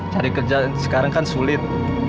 cari kerja sekarang kan sulit